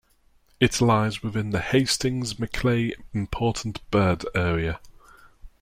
It lies within the Hastings-Macleay Important Bird Area.